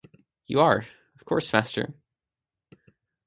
You are, of course, Master.